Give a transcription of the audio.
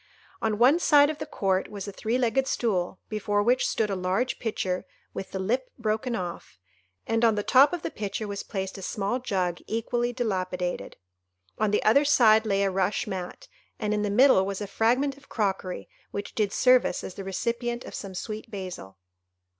On one side of the court was a three legged stool, before which stood a large pitcher with the lip broken off, and on the top of the pitcher was placed a small jug equally dilapidated. On the other side lay a rush mat, and in the middle was a fragment of crockery which did service as the recipient of some sweet basil.